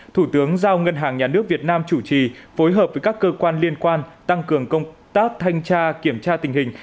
thủ tướng giao ngân hàng nhà nước việt nam chủ trì phối hợp với các cơ quan liên quan tăng cường công tác thanh tra kiểm tra tình hình